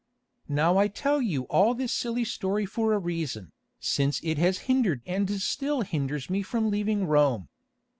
"Now I tell you all this silly story for a reason, since it has hindered and still hinders me from leaving Rome.